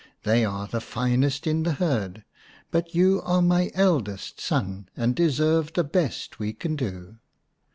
" They are the finest in the herd, but you are my eldest son, and deserve the best we can do."